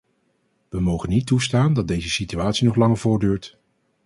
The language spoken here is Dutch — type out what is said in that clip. We mogen niet toestaan dat deze situatie nog langer voortduurt!